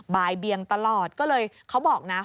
บ่ายเบียงตลอดก็เลยเขาบอกนะ